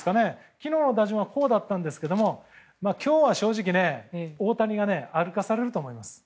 昨日の打順はこうだったんですけれども今日は正直、大谷が歩かされると思います。